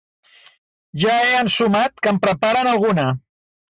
Ja he ensumat que en preparen alguna.